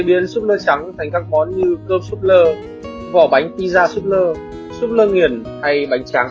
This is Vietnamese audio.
biến súp lơ trắng thành các món như cơm súp lơ vỏ bánh pizza súp lơ súp lơ nghiền hay bánh tráng